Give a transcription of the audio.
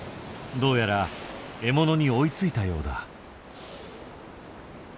どうやら獲物に追いついたようだ。